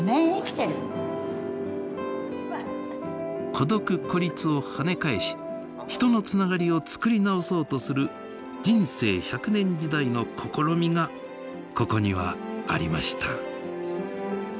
孤独・孤立をはね返し人のつながりを作り直そうとする人生１００年時代の試みがここにはありました。